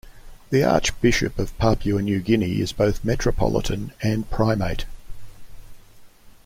The Archbishop of Papua New Guinea is both Metropolitan and Primate.